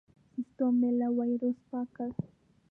سیستم مې له وایرس پاک کړ.